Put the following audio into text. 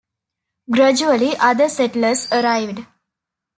Gradually other settlers arrived.